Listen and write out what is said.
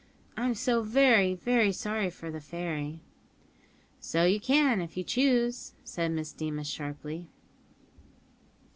I'm so very, very sorry for the fairy." "So you can, if you choose," said Miss Deemas sharply.